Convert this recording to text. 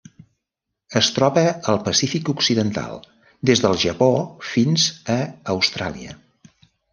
Es troba al Pacífic occidental: des del Japó fins a Austràlia.